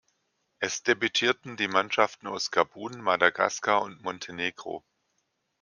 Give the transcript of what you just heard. Es debütierten die Mannschaften aus Gabun, Madagaskar und Montenegro.